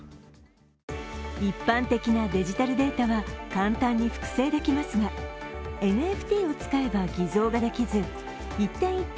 一般的なデジタルデータは簡単に複製できますが、ＮＦＴを使えば偽造ができず一点一点